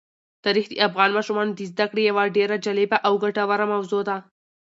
تاریخ د افغان ماشومانو د زده کړې یوه ډېره جالبه او ګټوره موضوع ده.